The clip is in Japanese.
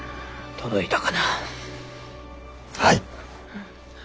届いたか。